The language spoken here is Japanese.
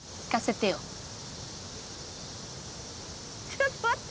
「ちょっと待って」